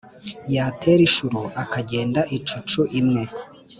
yatera inshuro akagenda inshucu imwe;